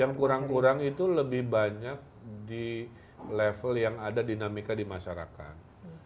yang kurang kurang itu lebih banyak di level yang ada dinamika di masyarakat